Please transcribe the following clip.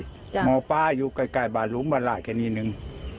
หมอปลาอยู่ใกล้บาดหลุมมาหลายแค่นี้หนึ่ง